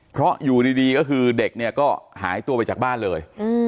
เพราะอยู่ดีก็คือเด็กเนี่ยก็หายตัวไปจากบ้านเลย